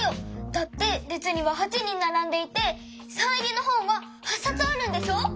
だってれつには８人ならんでいてサイン入りのほんは８さつあるんでしょ？